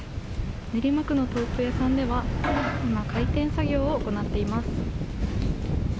練馬区の豆腐屋さんでは今、開店作業を行っています。